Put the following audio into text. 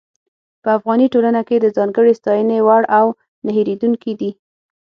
په افغاني ټولنه کې د ځانګړې ستاينې وړ او نۀ هېرېدونکي دي.